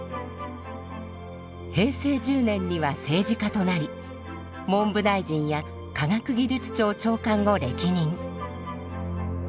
平成１０年には政治家となり文部大臣や科学技術庁長官を歴任。